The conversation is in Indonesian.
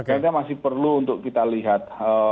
jadi masih perlu untuk kita lihat